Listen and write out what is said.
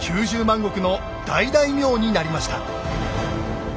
石の大大名になりました。